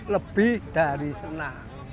lebih dari senang